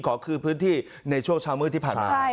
ขอคืนพื้นที่ในช่วงเช้ามืดที่ผ่านมา